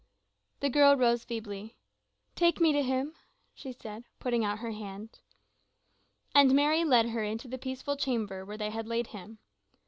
The girl rose feebly. "Take me to him," she said, putting out her hand. And Mary led her into the peaceful chamber where they had laid him.